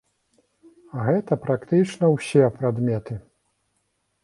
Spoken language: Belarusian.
А гэта практычна ўсе прадметы.